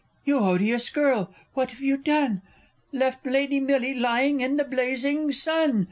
_) You odious girl, what have you done? Left Lady Minnie lying in the blazing sun!